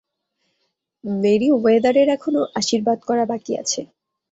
Mary ওয়েদারের এখনো আশীর্বাদ করা বাকি আছে।